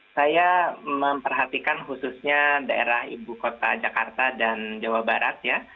saya memperhatikan khususnya daerah ibu kota jakarta dan jawa barat ya